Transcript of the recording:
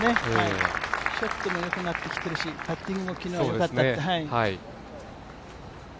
ショットもよくなってきてるし、パッティングも昨日良かった。